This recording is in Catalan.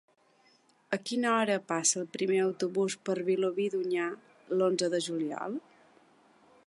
A quina hora passa el primer autobús per Vilobí d'Onyar l'onze de juliol?